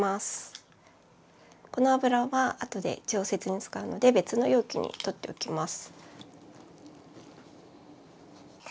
この油はあとで調節に使うので別の容器にとっておきます。